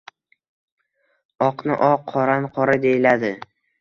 Oqni oq, qorani qora, deyiladi.